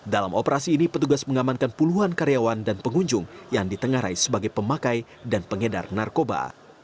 dalam operasi ini petugas mengamankan puluhan karyawan dan pengunjung yang ditengarai sebagai pemakai dan pengedar narkoba